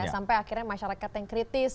sampai akhirnya masyarakat yang kritis